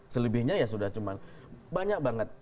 selebihnya ya sudah cuma banyak banget